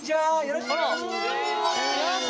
よろしくお願いします！